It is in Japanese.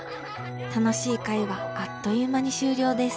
楽しい会はあっという間に終了です。